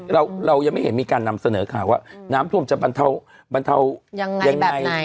เรายังไม่เห็นมีการนำเสนอข่าวว่าน้ำท่วมจะบรรเทายังไง